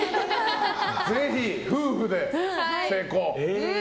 ぜひ夫婦で成功。